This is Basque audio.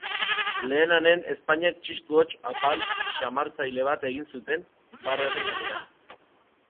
Lenehanen ezpainek txistu-hots apal xarmatzaile bat egin zuten barraren gainean.